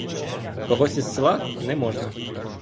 Когось із села — не можна.